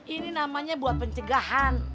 ini namanya buat pencegahan